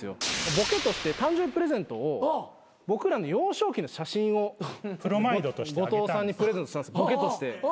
ボケとして誕生日プレゼントを僕らの幼少期の写真を後藤さんにプレゼントしたんですボケとして。